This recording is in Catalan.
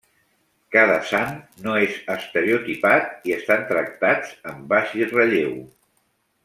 Cada sant no és estereotipat i estan tractats amb baix relleu.